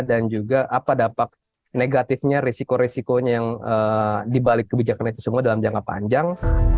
dan juga apa dapat negatifnya risiko risikonya yang dibalik kebijakan itu semua dalam jangka panjang